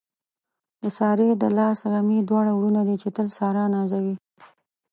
د سارې د لاس غمي دواړه وروڼه دي، چې تل ساره نازوي.